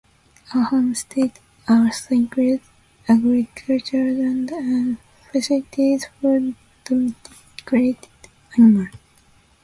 A homestead also includes agricultural land and facilities for domesticated animals.